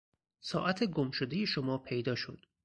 ساعت گمشدهی شما پیدا شد.